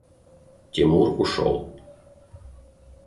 Тимур ушел.